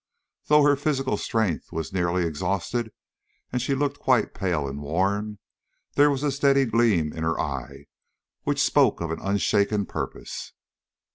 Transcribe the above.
Though her physical strength was nearly exhausted, and she looked quite pale and worn, there was a steady gleam in her eye, which spoke of an unshaken purpose.